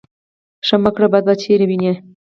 ـ ښه مه کړه بد به چېرې وينې.